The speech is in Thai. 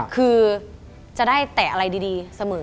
คือจะได้แต่อะไรดีเสมอ